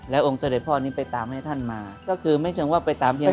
องค์เสด็จพ่อนี้ไปตามให้ท่านมาก็คือไม่เชิงว่าไปตามเฮีย